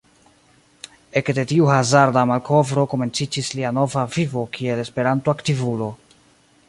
Ekde tiu hazarda malkovro komenciĝis lia nova vivo kiel Esperanto-aktivulo.